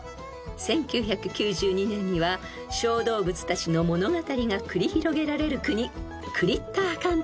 ［１９９２年には小動物たちの物語が繰り広げられる郷］